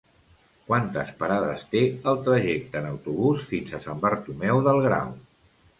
Quantes parades té el trajecte en autobús fins a Sant Bartomeu del Grau?